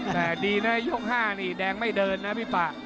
แต่ดีนะยก๕นี่แดงไม่เดินนะพี่ป่า